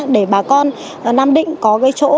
để bà con nam định có cái chỗ